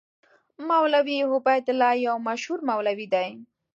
مولوي عبیدالله یو مشهور مولوي دی.